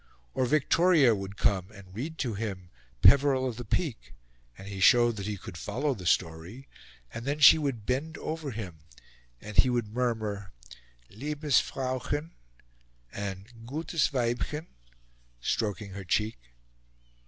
Or Victoria would come and read to him "Peveril of the Peak," and he showed that he could follow the story, and then she would bend over him, and he would murmur "liebes Frauchen" and "gutes Weibchen," stroking her cheek.